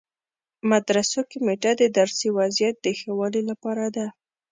مدرسو کمیټه د درسي وضعیت د ښه والي لپاره ده.